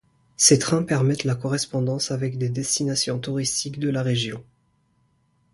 Ses trains permettent la correspondance avec des destinations touristiques de la région.